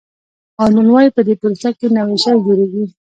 هارمون وایي په دې پروسه کې نوی شی جوړیږي.